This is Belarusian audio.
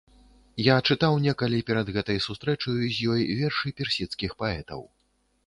Я чытаў некалі перад гэтай сустрэчаю з ёй вершы персідскіх паэтаў.